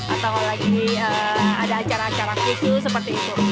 atau lagi ada acara acara vicky seperti itu